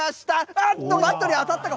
あっと、バットに当たったか？